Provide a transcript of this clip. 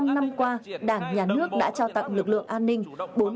bảy mươi năm năm qua đảng nhà nước đã trao tặng lực lượng an ninh